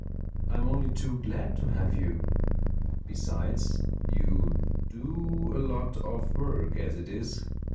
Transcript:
I'm only too glad to have you. Besides, you do do a lot of work, as it is.